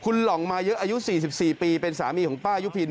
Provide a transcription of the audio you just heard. หล่องมาเยอะอายุ๔๔ปีเป็นสามีของป้ายุพิน